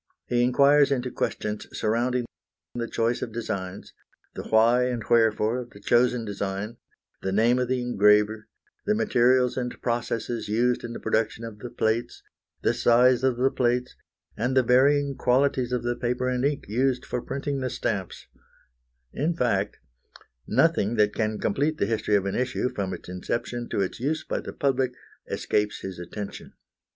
He inquires into questions surrounding the choice of designs, the why and wherefore of the chosen design, the name of the engraver, the materials and processes used in the production of the plates, the size of the plates, and the varying qualities of the paper and ink used for printing the stamps in fact, nothing that can complete the history of an issue, from its inception to its use by the public, escapes his attention.